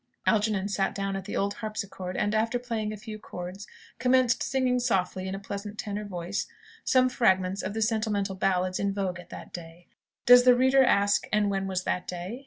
Algernon sat down at the old harpsichord, and, after playing a few chords, commenced singing softly in a pleasant tenor voice some fragments of sentimental ballads in vogue at that day. (Does the reader ask, "and when was 'that day?'"